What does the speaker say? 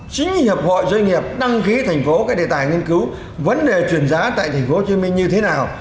chính hiệp hội doanh nghiệp đăng ký thành phố cái đề tài nghiên cứu vấn đề chuyển giá tại thành phố hồ chí minh như thế nào